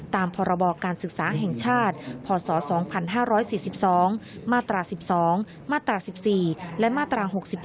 ตามพรบการศึกษาแห่งชาติพศ๒๕๔๒มาตรา๑๒มาตรา๑๔และมาตรา๖๑